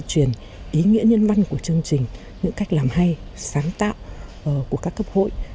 công tác tùy truyền ý nghĩa nhân văn của chương trình những cách làm hay sáng tạo của các cấp hội